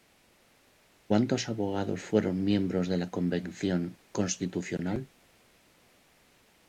¿Cuántos abogados fueron miembros de la Convención Constitucional?